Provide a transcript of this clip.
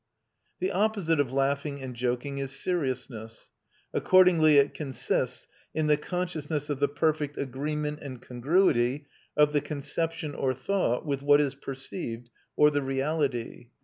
The opposite of laughing and joking is seriousness. Accordingly it consists in the consciousness of the perfect agreement and congruity of the conception, or thought, with what is perceived, or the reality.